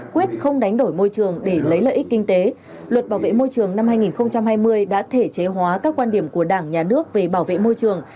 quyết không đánh đổi môi trường để lấy lợi ích kinh tế luật bảo vệ môi trường năm hai nghìn hai mươi đã thể chế hóa các quan điểm của đảng nhà nước về bảo vệ môi trường